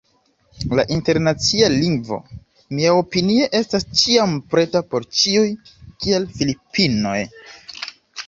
La Internacia Lingvo, miaopinie estas ĉiam preta por ĉiuj, kiel Filipinoj.